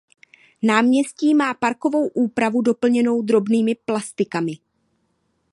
Náměstí má parkovou úpravu doplněnou drobnými plastikami.